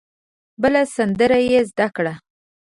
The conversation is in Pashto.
بله سندره یې زده کړه.